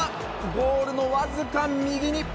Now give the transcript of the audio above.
ゴールの僅か右に。